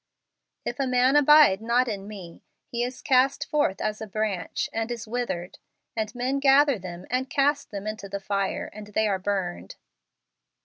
" If a man abide not in Me, he is cast forth as a branch, and is withered; and men gather them, and cast them into the fire, and they are burned